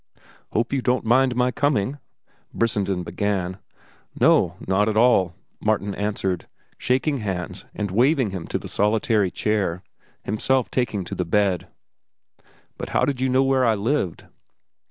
"Hope you don't mind my coming?" Brissenden began. "No, no, not at all," Martin answered, shaking hands and waving him to the solitary chair, himself taking to the bed. "But how did you know where I lived?"